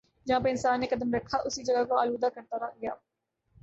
جہاں پر انسان نے قدم رکھا اس جگہ کو آلودہ کرتا گیا